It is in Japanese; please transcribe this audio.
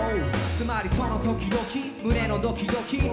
「つまりその時々胸のドキドキに」